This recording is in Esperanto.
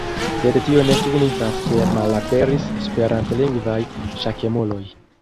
Sed tio ne signifas ke malaperis esperantlingvaj ŝakemuloj.